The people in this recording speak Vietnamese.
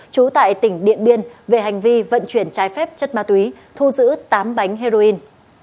trú tại tỉnh điện biên về hành vi vận chuyển trái phép chất ma túy thu giữ tám bánh heroin